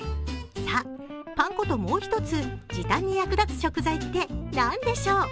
さあ、パン粉ともう一つ時短に役立つ食材って何でしょう？